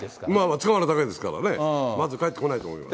捕まるだけですからね、まず帰ってこないと思います。